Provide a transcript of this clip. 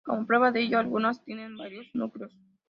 Cómo prueba de ello, algunas tienen varios núcleos.